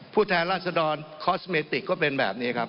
แทนราชดรคอสเมติกก็เป็นแบบนี้ครับ